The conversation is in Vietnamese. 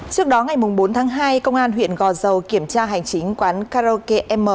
trước đó ngày bốn tháng hai công an huyện gò dầu kiểm tra hành chính quán karaoke m